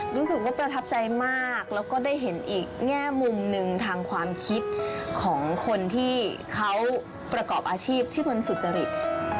รู้สึกว่าประทับใจมากแล้วก็ได้เห็นอีกแง่มุมหนึ่งทางความคิดของคนที่เขาประกอบอาชีพที่มันสุจริต